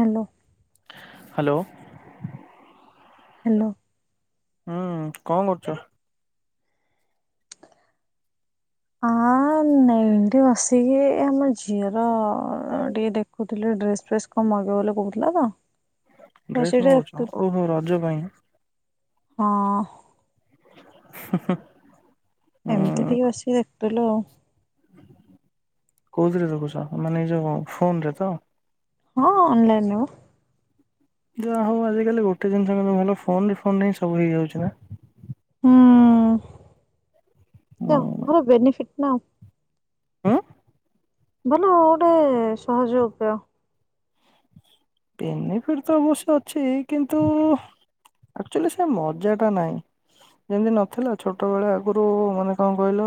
Hello hello hello ହୁଁ କଣ କରୁଛ- ହ ନତି ବସିକି ଆମ ଝିଅର ଟିକେ ଦେଖୁଥିଲେ ଡ୍ରେସ ଫ୍ରେସ କଣ ମଗେଇବ ବୋଲି କହୁଥିଲା ତ- ଡ୍ରେସ ବସିକି ଟିକେ ଦେଖୁଥିଲି ଓ ହୋ ରଜ ପାଇଁ ହଁ [inaudible] ଏମିତି ଉଁ ଟିକେ ବସିକି ଦେଖୁଥିଲୁ ଆଉ- କୋଉଥିରେ ଦେଖୁଛ ମାନେ ନି ଯଉ ଫୋନ ରେ ତ- ହଁ ଅନ୍ଲାଇନ ନଉ ଯାହା ହଉ ଆଜିକାଲି ଗୋଟେ ଜିନିଷ ଫୋନ ଫୋନ ହିଁ ସବୁ ହେଇଯାଉଛି ନା- ହୁଁ ଯ ଭର ବେନିଫିଟ ନା ଆଉ- ଆଁ ଭଲ ଗୋଟେ ସହଜ- ବେନିଫିଟ ତ ଅବଶ୍ୟ ଅଛି କିନ୍ତୁ ଆଚୁଆଲି ସେ ମଜା ଟା ନାହିଁ ଯେମିତି ନଥିଲା ଛୋଟ ବଳେ ଆଗରୁ ମାନେ କଣ କହିଲ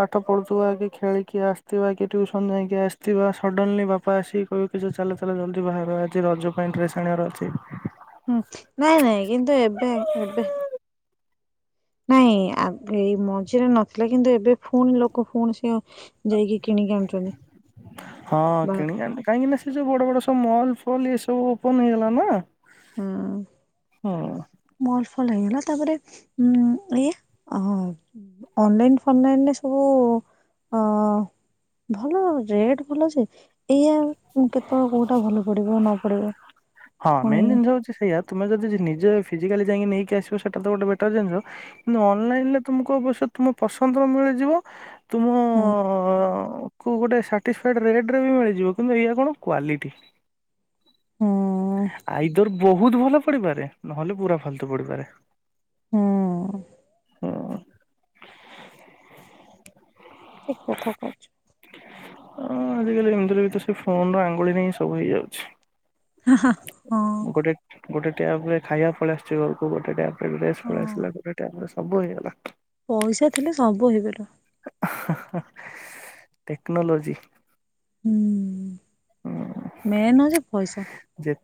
ପାଠ ପଢୁଥିବା କି ଖେଳିକି ଆସିଥିବା କି ଟ୍ୟୁସନ ଯାଇକି ଆସିଥିବା ସଡନଲି ବାପା ଆସିକି- ପ ଚାଲ ଚାଲ ଜଲ୍ଦି ବାହ ଅଛି ରଜ ପାଇଁ ଡ୍ରେସ୍ ଆଣିବାର ଅଛି- ହୁଁ ନାଇଁ ନାଇଁ- କିନ୍ତୁ ଏବେ ଏବେ- ନାଇଁ ଏଇ ମଝିରେ ନଥିଲା କିନ୍ତୁ ଏବେ ପୁଣି ଲୋକ ପୁଣି ସେ- ଯାଇକି କିଣିକି ଆଣୁଛନ୍ତି ହଁ ବା କିଣ କାହିଁକି ନା ସେ ଯ ବଡ ବଡ ସବୁ ମଲ- ସବୁ ଓପନ ହେଇଗଲା ନା- ହଁ ହଁ ମଲ ଫଲ ହେଇଗଲା ତାପରେ ଉ ଏଇ ଅନଲାଇନ ଫାଇନରେ ସବୁ ଅ ଭଲ ରେଟ ଭଲ ଏଇଆ- ମୁଁ କେତେବେଳେ କେଉଁଟା ଭଲ ପଡ଼ିବ ନ ପଡ଼ିବ- ହଁ ମେନ ଜିନିଷ ହଉଛି ସେଇୟଆ ତୁମେ ଯଦି ନିଜେ- ଫିଜାଲି ଯକ ନେଇକି ଆସ ସେଟ ତ ଗୋ ବେଟର ଜିନିଷ କିୁ ଅନଲାଇନ ରେ ତମକୁ ଅବ- ତୁମ ପସନ୍ଦର ମିଳିଯିବ- ତୁମ ହୁଁ କୁ ଗୋଟେ ସାଟିସ୍ଫାଇଡ଼୍ ରେଟ ରେ ବି ମିଳିଯିବ କିନ୍ତୁ ଏହାଇା କଣ କ୍ୱାଲିଟି- ହୁଁ ଆଇଦର୍ ବହୁତ ଭଲ ପଡିପାରେ ନହେଲେ ପୁରା ଫାଲତୁ ପଡିପାରେ- ହଁ ହଁ ଠିକ କଥା କଛ ହଁ ଆଜିକାଲି ଏମିତିରେ ବି ତ ସେ ଫୋନ ର ଆଙ୍ଗୁଳି ନେଇ ସବୁ ହେଇଯାଉଛି। ହଁ ଗୋଟେ ଗୋଟେ ଟ ଆପରେ ଖାଇବା ପଳ ଆସଛି ଘରକୁ ଗୋଟେ ଟପ୍ ହଁ ଆସା ଗଟ ସବୁ ହେଇଗଲା। ପଇସା ଥିଲେ ସବୁ ହେଇବୋର ଟେକ୍ନୋଲୋଜି ହୁଁ ମ ହ ଯେ ପଇସା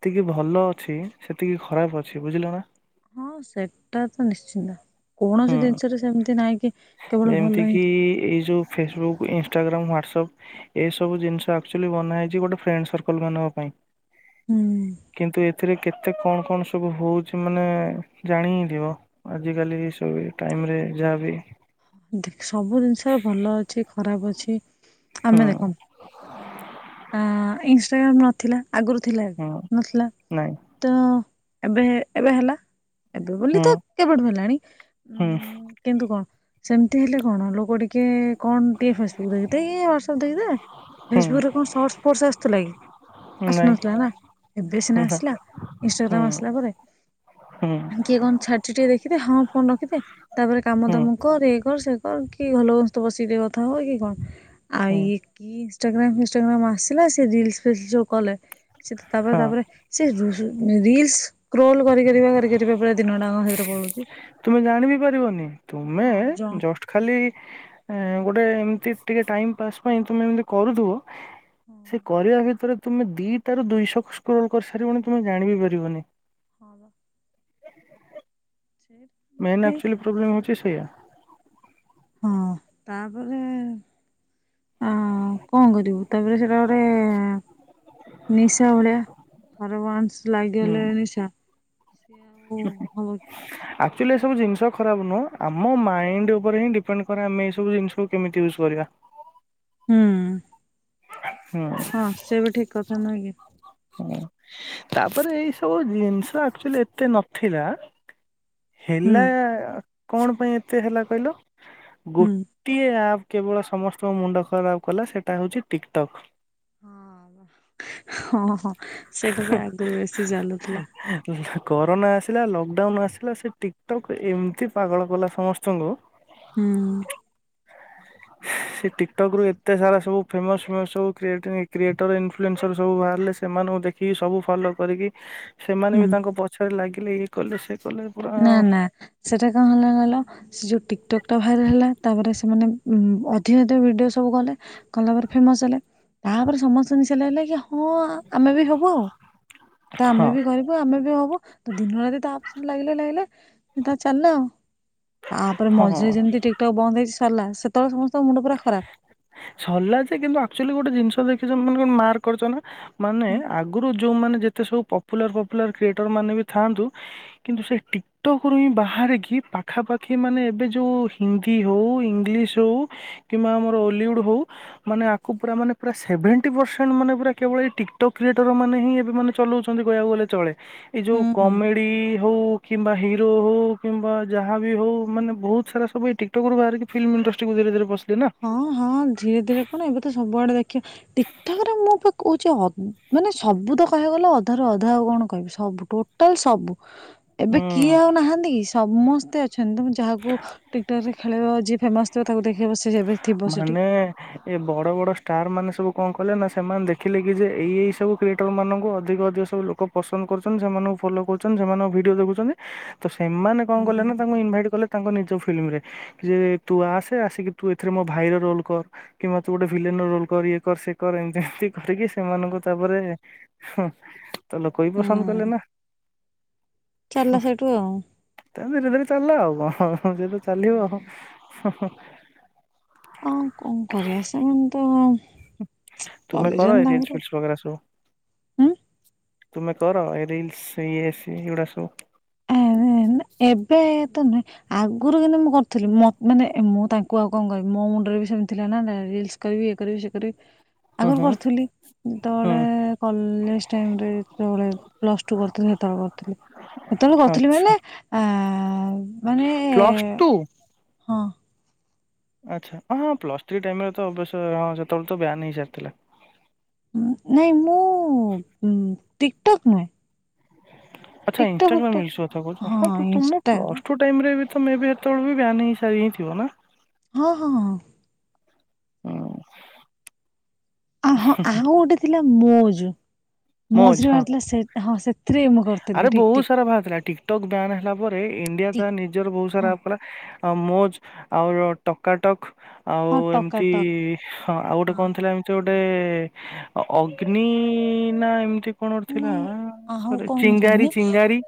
ସେତିକି ଭଲ ଅଛି ସେତିକି ଖରାପ ଅଛି ବୁଝିଲ ନା ହଁ ସେଟା ତ ନିଶ୍ଚିନ୍ତ ହୁଁ କୌଣସି ଜିନିଷରେ ସେମିତି ନହିଁ। ଯେମିତି କିି ଏଇ ଯୋଉ ଫେସବୁକ୍ ଇନଷ୍ଟଟାଗ୍ରାମ ହ୍ୱାଟସଆପ ଏସବୁ ଜିନିଷ ଆକ୍ଚୁଆ ବନା ହେଇଛି ଗୋଟେ ଫ୍ରେଣ୍ଡ ସର୍କଲ ମାନଙ୍କ ପାଇଁ ହୁଁ କିନ୍ତୁ ଏଥିରେ କେତେ କଣ କଣ ସବୁ ହଉଛି ମାନେ ଜାଣିିଥିବ ଆଜିକାଲି ସବ ଟାଇମରେ ଯାହାବ ସବୁ ଜିନିଷ ଭଲ ଅଛି ଖରାପ ଅଛି। ଠିକ ହୁଁ ଆମେ ଦେଖ ଇନାଗ୍ରାମ ଥିଲା। ଆଗରୁ ଥିଲା ହୁଁ ନଥିଲା ନାଇଁ ତ ଏବେ ଏବେ ହେଲା। ଏବେ ବୋଲି ହୁଁ ତ କେବେଠୁ ହେଲାଣି ହୁଁ ଉ କିନ୍ତୁ କଣ? ସେମିତି ହେଲେ କଣ ଲୋକ ଟିକେ କଣ ଟିକେ ଫେସବୁକ୍ ଦେଖିଦେ କିଏ ହ୍ାଟସଆପ୍ ଦେଖିଦେ ହୁଁ ଫେସବୁକ ରେ କଣ ସର୍ଟସ ଫର୍ସ ଆସୁଥିଲା କି ନାଇଁ ଆସୁନଥିଲା ନା ଏବେ ସିନା ହୁଁ ଆସିଲା ହୁଁ ଇନଷ୍ଟାଗ୍ରାମ୍ ଆସିଲା ପରେ ହୁଁ କିଏ କଣ ଛାଡିଛି ଟିକେ ଦେଖିଦେ ହଁ ଫୋନ ରଖିଦେ ତାପରେ କାମ ହୁଁ ତମ ହେ କର ସେ କର କି ଭଲ ବସ୍ତ ବସିଦେ କଥା ହଉ କି କଣ? ଆଉ ହୁଁ ଏକି ଇ୍ରାମ ଫନଗ୍ରାମ ଆସିଲା ସେ ରିଲସ ଫେସ କଲେ ସେ ତାପରେ ହଁ ତାପରେ ସେ ରିଲ୍ସ କ୍ରୋଲ କରି କରି ପ ଦିନ ଡାଙ୍କ ସେଇଥିରେ ପଳୁଛି ତୁମେ ଜାଣି ବିି ପାରିବନି ତୁମେ ଜ ଜଷ୍ଟ ଖାଲି ଗୋଟେ ଏମିତି ଟିକେ ଟାଇମ୍ ପାସ୍ ପାଇଁ ତୁମେ ଏମିତି କରୁଥିବ। ହଁ ସେ କରିବା ଭିତରେ ତୁମେ ଦି ତ ର ଦୁଇଶହ ସ୍ୋଲ କରିସାରିବନ ତମେ ଜାଣି ବି ପାରିବନି ହଁ ର। [inaudible] ମେନକ୍ଚୁଆଲି ପ୍ରୋବ୍ଲେମ୍ ହେଉଛି। ସେୟା ହଁ ତାପରେ ଅ କଣ କରିବୁ। ତାପରେ ସେଟା ଗୋଟେ ନିଶା ଭଳିଆ ଥରେ ୱାନ୍ସ ହୁଁ। ଲାଗିଗଲେ ନିଶା। ସେ ଓ ଭଲ। ଏବୁ ଜିନିଷ ଖରାପ ନୁହଁ ଆମ ମାଇ ଉପରେ ହିଁ ଡିପେଣ୍ଡ କ ଆମେ ଏବୁ ଜିନିଷକୁ କେମିତି ୟୁଜ୍ କରିବା। ହୁଁ। ହୁଁ ହଁ ସେ ବି ଠିକ କଥା ନୁହଁ କି। ହଁ ତାପରେ ଏଇ ସବୁ ଜିନିଷ ଆକ୍ଚୁଆଲି ଏତେ ନଥିଲା। ହୁଁ ହେଲା। କଣ ପାଇଁ ଏତେ ହେଲା କହିଲ। ହୁଁ ଗୋଟିଏ ଆ କେବଳ ସମସ୍ତଙ୍କ ମୁଣ୍ଡ ଖରାପ କଲା ସେଟା ହଉଛି ଟିକଟକ୍। ହଁ। ହଁ ହଁ ସେଇଟା ତ ଆଗରୁ ବେଶୀ ଚାଲୁଥିଲା। ଲକ୍ଡାଉନ ଆସିଲା ସେ ଟିକଟକ୍ ଏମିତି ପାଗଳ କଲା ସମସ୍ତଙ୍କୁ। ହୁଁ। ସେ ଟିକ କଟକ ରୁ ଏତେ ସାରା ସବୁ। ଫେମସ ଫେମସ୍ ସବ କ୍ରି କ୍ରଏଟର ଇନଫ୍ଲୁଏନ୍ସର ସବୁ ବାହାରିଲ ସେ- ସେମାନଙ୍କୁ ଦେଖିକି ସବୁ ଫଲୋ କରିକି। ସେମାନେ ବି ହୁଁ ତାଙ୍କ ପଛରେ ଲାଗି। କଲେ ସେ। କଲେ ପୁରା ନା ନା ସେଟା କଣ ହେଲା ଗଲ ସେ ଯୋଉ ଟିକଟକ୍ ଟା ଭାଇରାଲ ହେଲା ତାପରେ ସେ। ସେମାନେ ଅଧିକ ଅଧିକ ଭିଡ଼ିଓ ସବୁ କଲେ କଲା ପରେ ଫେମସ୍ ହେଲେ ତାପରେ ସମସ୍ତେ ମିଶି ଲାଗିଲା କି ହଁ। ହଁ ଆମେ ବି ହବ ଆଉ ତା ଆମେ ହଁ ବି କରିବୁ ଆମେ ବି ହବୁ ତ ଦିନ ରାତି ତ ଆମ ଲାଗିଲେ ଲାଗିଲା ତା ଚାଲିଲା ଆଉ। ତାପରେ ହଁ ମଝିରେ ଯେମିତି ଟିକ୍ ଟକ୍ ବନ୍ଦ ହେଇଛି। ସାରିଲା ସେତବେଳେ ସମସ୍ତ ମୁଣ୍ଡ ପୁରା ଖ ସରିଲା ଯେ କିନ୍ତୁ ଆକ୍ଚୁଆଲି ଗୋଟେ ଜିନିଷ ଦେ କି ମନେ କର ମାର କର କରିଛ ନା। ମାନେ ଆଗରୁ। ଯୋଉମାନୋନ ଯେତେ ସବୁ ପପୁଲାର ପପୁଲାର କ୍ରିଏଟର ମାନେ ବି ଥାନ୍ତୁ କିନ୍ତୁ ସେ ଟିକଟକ ରୁ ହିଁ ବାହାରିକି ପାଖାପାଖି ମାନେ ଏବେ ଯୋଉ ହିନ୍ଦୀ ହଉ ଇଂଲିଶ ହଉ। କିମ୍ବା ଆମର ଅଲିଉଡ଼୍ ହେଉ ମାନେ ଆକୁ ପା ମାନେ ପୁରା ସେଭେଣ୍ଟି ପରସେଣ୍ଟ ମାନେ ପୁରା କେବଳ ଏ ଟିକଟକ୍ କ୍ରିଏଟର ମାନେ ହିଁ ଏବେ ମାନେ ଚଲାଉଛନ୍ତି କହିବାକୁ ଗଲେ ଚଳେ। ଏଇ ଯୋଉ ହୁଁ ହୁଁ କମେଡି ହଉ କିମ୍ବା ହ ହିରୋ ହଉ କିମ୍ବା ଯାହା ବି ହଉ ମାନେ ବହୁତ ସାରା ସୁଇ ଟିକଟକ୍ ରୁ ବାହାରିକି ଫିଲ୍ମ ଇଣ୍ଡଷ୍ଟ୍ରିୁ ଧୀରେ ଧୀରେ ବସି ହଁ ହଁ ଧୀରେ ଧୀରେ କଣ ଏବେ ତ ସବୁଆଡେ ଦେଖ ଦେ ଟଠିକ୍ଠାକ ରେ ମୋ ପାଖ କହୁଛି ମାନେ ସବୁ ତ କହିବାକୁ ଗଲେ ଅଧାରୁ ଅଧା ଆଉ କଣ କହିବି ସବୁ ଟୋଟାଲ ସବୁ ଏବେ ହୁଁ। କିଏ ଆଉ ନାହାନ୍ତି କି ସମସ୍ତେ ଅ ତ ଯାହାକୁ ଟିକଟକ୍ ରେ ଖେଳିବ ଯିଏ ଫେମାସ ଥିବ ତାକୁ ଦେଖିବ ସ ମାନେ ଏ ବଡ ବଡ ଷ୍ଟାର ମାନେ ସବୁ କଣ କହିଲେ ନା ସେମାନେ ଦେଖିଲେ କି ଯେ ଏଇ ଏଇ ସବୁ କ୍ରିଏଟରମାନାନଙ୍କୁ ଅଧିକ ଅଧିକ ସବୁ ଲୋକ ପସନ୍ଦ କରୁଛନ୍ତି ସେମାନଙ୍କୁ ଫଲୋ କରୁଛନ୍ତି ସେମାନଙ୍କ ଭିଡ଼ିଓ ଦେଖୁଛନ୍ତି ତ ସେମାନେ କଣ କଲେ ହୁଁ ନା ତାଙ୍କୁ ଇନଭାଇଟ୍ କଲେ ତାଙ୍କ ନିଜ ଫିଲ୍ମରେ ଯେ ତୁ ଆସେ ଆସିକି ତୁ ରେ ମୋ ଭାଇ ରୋଲ କର କିମ୍ବା ତୁ ଗୋଟେ ଭିଲେନ ରୋଲ କର ଇଏ କର ସେ କର ଏମତି ଏମତି କରିକି ସେମାନଙ୍କୁ ତାପରେ ହଁ ତ ଲ କହି ପସନ୍ଦ କଲେ ନା ଚାଲିଲ ସେଠୁ ଆଉ ଚାଲେ ଆବ କଁ ହଁ ସେ ତ ଚାଲିବ ହୁଁ। ହଁ ହଁ ଆଉ କଣ କରିବାଆ ସେମାନେ ତ ତୁମେ କର ଚଲେଇଛନ୍ତି ରିିଲ୍ସ ତାଙ୍କର। ଫିିଲ୍ସ ବେରା ସବୁ ତୁମେ କର ରିିଲ୍ସ ଇଏ ସ ଏଡା ଶୁ ଏବେ ତ ନୁହେଁ ଆଗରୁ କିନ୍ତୁ ମୁଁ କରିଥିଲି ମାନେ ମୁଁ ତାଙ୍କୁ ଆଉ କଣ କହିବି ମୋ ମୁଣ୍ଡରେ ବି ସେମିତି ଥିଲା ନା ରସ କରିବି ଏ କରିବି ସେ କରିବି ହୁଁ ଆଗରୁ ହୁଁ କରିଥିଲି ଯେତେବେଳେ ହୁଁ କଲେଜ ଟାଇରେ ଯେଳେ ପ୍ଲସ ଟୁ କରଥିଲ ସେତେବେଳେ କରିଥିଲି। ଏତେବେଳେ କରିଥିଲି ଆଚ୍ଛା ମାନେ ଆ ମାନେ ପ୍ଲସ୍ ହଁ ଆ୍ଛା ହ ହଁ ପ୍ଲସ୍ ଥ ଟାଇରେ ହଁ ସେତେବେଳେ ତ ବୟାନ ହେଇସାରିଥିଲା। ନାଇଁ ମୁଁ ଟିକଟକ୍ ନହି ଆଚ୍ଛା ଇନ୍ଷ୍ଟଟାଗ୍ରାମ ମିଳଳିଛଥା କ ହଁ ତୁମର ପ୍ଲସ ଟୁ ଟାଇରେ ତ ମେ ବି ଏତେବେଳ ବି ବାନ ହେଇ ସାରି ହିଁ ଥିବ ନା ହଁ ହଁ ହଁ ହୁଁ ଅହୋ ଆଉ ଗୋଟେ ଥିଲା ମୋଜ [inaudible] ମୌଜ ମଝିରେ ହଁ ବାହାରିଥିଲା ସେ ହଁ ସେଥିରେ ବି ମୁଁ କରିଥିଲି ଠିକ୍ ଠିକ୍। ଟକ୍ ବ୍ୟାନ ହେଲା ପରେ ଇଣ୍ଡିଆ ତା ନିଜର ବୋହୁତ ହଁ ସାରା ଆପ୍ କଲା। ଆଉ ମୋଜ୍ ଆଉର ଟକାଟକ୍। ଆଉ ହଁ ଏମତି ଟକାଟକ୍ ହଁ ଆଉ ଗୋଟେ କଣ ଥିଲା ଏମିତି ଗୋ ଏ ଅଗ୍ନି ନାଁ ଏମତି ନାଇଁ ଆଉ କଣ ମୁଁ ଜାଣିନି। ଚିଙ୍ଗାରି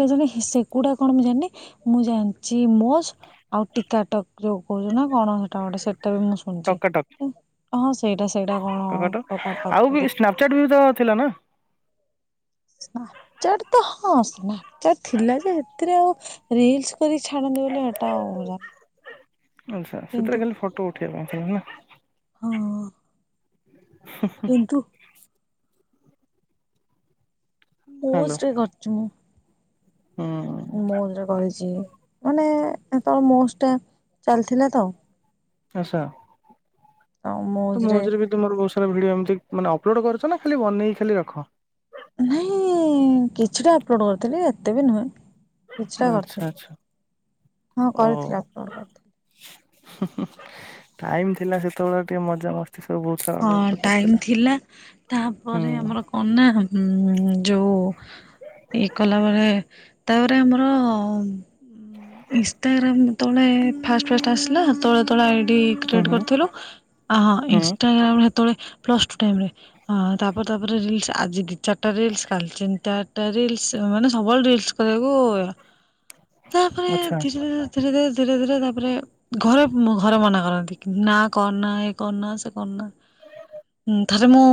କେଜାଣି ସେଗୁଡା କଣ ମୁଁ ଜାଣିନି। ମୁଁ ଜାଣଚି ମୋଜ୍ ଆଉ ଟିକାଟକ୍ ଯୋଉ କୋହୁଚ ନାଁ କଣ ହେଟା ଗୋଟେ ସେ ତେବେ ମୁଁ ଶୁଣିଚି। ଟକାଟକ୍ ହଁ ସେଇଟା ସେଇଟା କଣ ଟକା ଟକ୍ ଆଉ ବି ବୋଧେ। ସ୍ନାପଚାଟ୍ ବି ତ ଥିଲା ନା ସ୍ନାପଚାଟ୍ ତ ହଁ ସ୍ନାପଚଟ୍ ଥିଲା ଯେ ହେତିରେ ଆଉ ରେଲସ କରି ଛାଡ଼ନ୍ତି ବୋଲି ହେଟା ଆଉ ଜା ଆଚ୍ଛା ସେତିରେ ଖାଲି ଫଟ ଉ ଉଠେଇ ପାରୁଥୁଲେ ନାଁ। ହଁ। କିନ୍ତୁ ହ୍ୟାଲୋ ପୋଷ୍ଟ ବି କରିଚି ମୁଁ। ହୁଁ ମୋଜ୍ କରିଚି। ମାନେ ହେତୋଳେ ମୋଜ୍ ଟା ଚାଲିଥିଲା ତ। ଆଚ୍ଛା। ତ ମୋଜରେ ବି ତୁମର ବୋହୁତ ସାରା ଭିଡିଓ ଏମତି ମାନେ ଅପଲୋଡ଼୍ କରୁଚ ନାଁ ଖାଲି ବନେଇ ଖାଲି ରଖ? ନାଇଁ କିଛିଟା ଅପଲୋଡ଼ କରିଥିଲି ଏତେ ବି ନୁହେଁ। କିଛିଟା ଆଚ୍ଛା କରିଥିଲି। ଆଚ୍ଛା ହଁ କରିଥିଲି ଅପଲୋଡ଼ କରିଥିଲି। ହୁଁ ହୁଁ ଟାଇମ ଥିଲା ସେତୋବେଳେ ଟିକେ ମଜା ମସ୍ ହଁ ଟାଇମ ଥିଲା ହୁଁ ତାପରେ ଆମର କଣ ନାଁ ଉଁ ଯୋଉ ଇଏ କଲାବେଳେ ତାପରେ ଆମର ଇନଷ୍ଟାଗ୍ରାମ ତଳେ ଫାଷ୍ଟ ଫାଷ୍ଟ ଆସିଲା ହେତୋଳେ ତଳେ ଆଇଡି ହୁଁ କ୍ରିଏଟ ହୁଁ କରିଥିଲୁ। ହଁ ହୁଁ ଇନଷ୍ଟାଗ୍ରାମରେ ହେ ତଳେ ପ୍ଲସ୍ ଟୁ ଟାଇମରେ ହଁ ତାପରେ ତାପରେ ରିଲସ୍ ଆଜି ଦି ଚାରଟା ରିଲସ୍ କାଲି ଚିନ ଚାରଟା ରିଲସ୍ ମାନେ ସବୁବେଳେ ରିଲସ୍ କରିବାକୁ କରେ ଆଚ୍ଛା ଏମତି ଜରୁରତ୍ ଧୀରେ ଧୀରେ ଧୀରେ ଧୀରେ ତାପରେ ଘରେ ମ ଘରେ ମନା କରନ୍ତି କି ନାଁ କରନା ଏ କରନା ସେ କରନା। ଉଁ ଥରେ ମୁଁ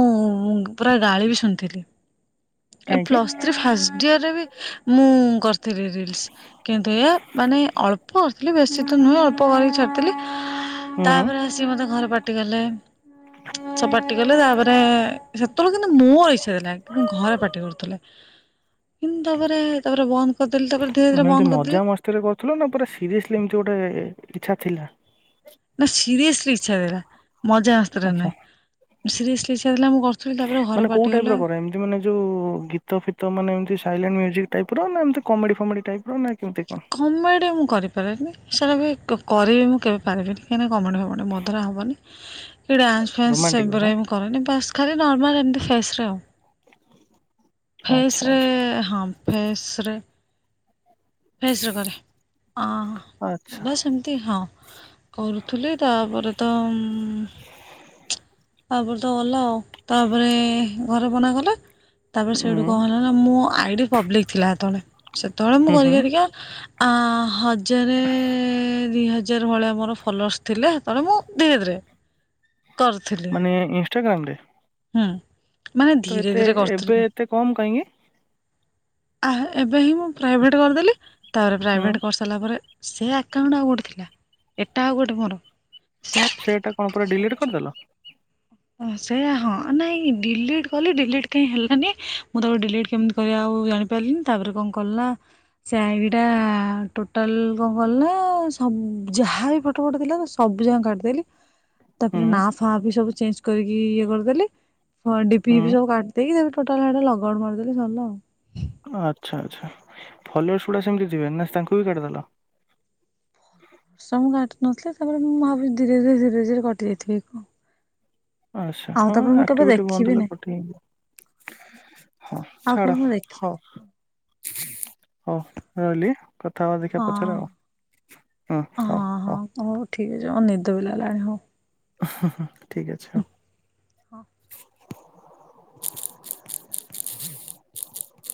ପୁରା ଗାଳି ବି ଶୁଣିଥିଲି। ଏ କାହିଁକି ପ୍ଲସ୍ ଥ୍ରୀ ଫାଷ୍ଟ ଇୟରରେ ବି ମୁଁ କରିଥିଲି ରିଲସ କି ଏଇଆ ମାନେ ଅଳ୍ପ ଅରିଥିଲି ବେଶୀ ତ ନୁହେଁ ଅଳ୍ପ କରିକି ଛାଡ଼ିଥିଲି। ହୁଁ ତାପରେ ଆସି ମତେ ଘରେ ପା ଟି କଲେ। ଛ ପାଟି କଲେ ତାପରେ ସେତେବେଳେ କିନ୍ତୁ ମୋର ଇଚ୍ଛା ଥିଲା କିନ୍ତୁ ଘରେ ପାଟି କରୁଥିଲେ। କିନ୍ତୁ ତାପରେ ତାପରେ ବନ୍ଦ କରିଦେଲି ତାପରେ ଧୀରେ ଧୀରେ ବନ୍ଦ କରିଦେଲି। ଥିରେ ପାଉଥିଲା ନା ପୁରା ସିରିସ ଲି ଏମତି ଗୋଟେ ଇଛା ଥିଲା? ନା ସିରିୟସଲି ଇଚ୍ଛା ଥିଲା। ମଜା ଆସୁଥିଲ ଆଚ୍ଛା ନହେଁ ସିରିଏଶ୍ଳି ସେ ଭାବିଲା ମୁଁ କରୁଥିଲି ତାପରେ ଘରେ ମାନେ କୋଉ ଟାଇପ ପାଟିଗଲା। ର କର ଏମତି ମାନେ ଯୋଉ ଗୀତ ଫିତ ମାନେ ସାଇଲେ୍ମି ଯି ଟାଇପ ର ନା ଏମତି କମେଡି ଫମଡି ଟାଇପ ର ନା କେମିତି କଣ କମେଡି ମୁଁ କରିପାରେନି ସେଟା ବି କ-କରି ବି ମୁଁ କେବେ ପାରିବି ନି କାହିଁକ ନା କମେଡି ଗମେଡି ମୋ ଦ୍ଵାରା ହବନି କି ଡ୍ୟାନ୍ସ ଫାନ୍ସ ରୋମାଣ୍ଟିକ ବାଲା ସେୁଗୁରା କରେନି ବାସ୍ ଖାଲି ନର୍ମାଲ ଏମତି ଫ୍ରେସ୍ ରେ ଆଉ। ଫ୍ରେସ୍ ଆଚ୍ଛା ରେ ଆଚ୍ଛା ହମ୍ ଫେସ ରେ ଫେସ ରେ କରେ ଆଚ୍ଛା ଅ ଏମିତି ହଁ କରୁଥିଲି ତାପରେ ତ ତାପ ତ ଗଲା ଆଉ ତାପରେ ଘରେ ମନା କଲେ। ତାପରେ ସେଇଠୁ ଉଁ କଣ ହେଲା ନା ମୋ ଆଡି ପବ୍ଲିକ ଥିଲା ସେତେବେଳେ ସେତେବେଳେ ମୁଁ ହୁଁ କରି ହୁଁ କରି ଆ ହଜାର ଦି ହଜାର ଭଳିଆ ମୋର ଫଲୋସ ଥିଲେ ହେଟିକ ହେତେତଲାଲଳେ ମୁଁ ଧୀରେ ଧୀରେ କରୁଥିଲି ମାନେ ଇନଷ୍ଟାଗ୍ରାମ ରେ ହୁଁ ମାନେ ତ ଧୀରେ ଏତେ ଧୀରେ କରିଥିଲି ଏବେ ଏତେ କମ କାହିଁକି? ଆ ଏବେ ହିଁ ମୁଁ ପ୍ରାଇଭେଟ କରିଦେଲି ତାପରେ ହୁଁ ପ୍ରାଇଭେଟ୍ କରିସାରିଲା ପରେ ସେ ଆକାଉଣ୍ଟୁ ଆଉ ଗୋଟେ ଥିଲା ଏଟା ଆଉ ଗୋଟେ ମୋର ସେଟା କଣ ପୁରା ଡିଲେଟ କରିଦେଲ? ହଁ ସେଇୟା ହଁ ନାଇଁ ଡିଲେଟ କଲି ଡିଲେଟ କାଇ ହେଲା ନି୍। ମାନେ ମୁଁ ତାକୁ ଡିଲେଟେ୍ କେମିତି କରିବା ଆଉ ଜାଣିପାରିଲିନି ତାପରେ କଣ କଲା ସେ ଆଗଟା ଟୋଟାଲ କଣ କଲା ସବୁ ଯାହାବ ଫଟୋ ଫଟ ଥିଲା ସବୁ ଯାଁ କାଟିଦେଲି ହୁଁ ତାପରେ ନା ଫା ସବୁ ଚେଞ୍ଜ୍ ଇଏ କରିଦେଲେ ହଁ ଡିପି ହୁଁ ହିପି ସବୁ କାଟଦେଇକିି ପରେ ଫୋଟାଟା ଲଗ୍ଆଉଟ୍ ମାରଦେଲି ସରଲା ଆଉ। ଆଚ୍ଛା ଆଚ୍ଛା ଫଲୋଅର୍ସଶ୍ ଗୁଡାକ ସେମିତି ଥିବେ ନା ତାଙ୍କୁ ବି କାଟିଦେଲ? ସବୁ କାଟି ନଥିଲେ ତାପରେ ମୁଁ ଭାବୁଛି ଧୀରେ ଧୀରେ ଧୀରେ ଧୀରେ କଟି ଯାଇଥିବି କଣ ଆଛା ଆଉ ହଁ ତାପରେ ମୁଁ କେବେ ଆକ୍ଟିଭିଟି ଦେଖିବି ବନ୍ଦ ହେଲେ ନାହିଁ କଟି ଆଉ କେବେ ଛାଡ ମୁଁ ଦେଖିନି ହଉ ହଉ। ରହିଲି। କଥା ହବା ଦେଖିବା ହଁ ପଛରେ ଆଉ ହୁଁ ହଉ ହଉ। ଠିକ ଅଛି ମତେ ନିଦ ପବି ଲାଗିଲାଣି ହଉ। ହୁଁ ହୁଁ ହୁଁ ଠିକ ଅଛି। [inaudible]